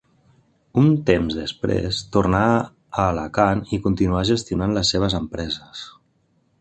Un temps després tornà a Alacant i continuà gestionant les seves empreses.